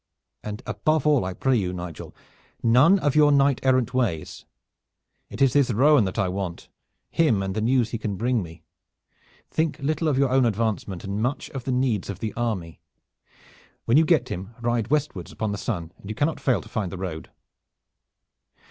And above all I pray you, Nigel, none of your knight errant ways. It is this roan that I want, him and the news that he can bring me. Think little of your own advancement and much of the needs of the army. When you get him, ride westwards upon the sun, and you cannot fail to find the road."